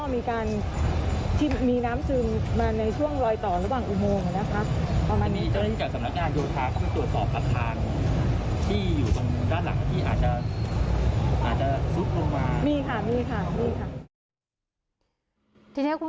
มีค่ะมีค่ะ